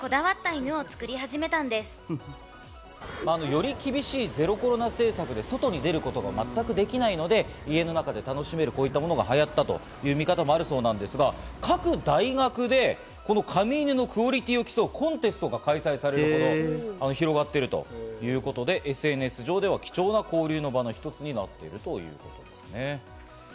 より厳しいゼロコロナ政策で外に出ることが全くできないので、家の中で楽しめる、こういったものが流行ったという見方もあるそうなんですが、各大学でこの紙犬のクオリティーを競うコンテストが開催される報道が広がっているということで、ＳＮＳ上では貴重な交流の場の一つになっているということなんですね。